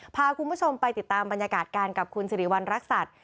พาคุณผู้ชมไปติดตามบรรยากาศกันกับคุณสิริวัณรักษัตริย์